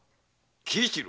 喜一郎。